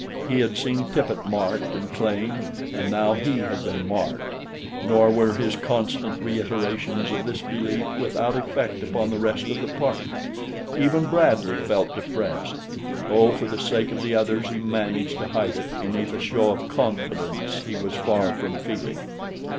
He had seen Tippet marked and claimed and now he had been marked. Nor were his constant reiterations of this belief without effect upon the rest of the party. Even Bradley felt depressed, though for the sake of the others he managed to hide it beneath a show of confidence he was far from feeling.